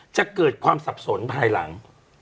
จะเกิดความสับสนภายหลัง